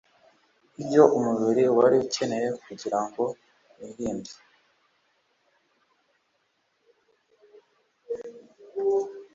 ibyo umubiri wari ukeneye ngo wirinde